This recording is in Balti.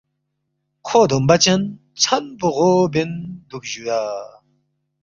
کھو دومبہ چن ژھن پو غو بین دُوکس جُویا